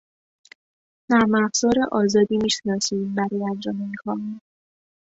نرمافزار آزادی میشناسید برای انجام این کار؟